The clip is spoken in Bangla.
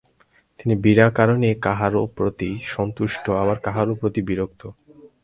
তিনি বিনা কারণেই কাহারও প্রতি সন্তুষ্ট, আবার কাহারও প্রতি বিরক্ত।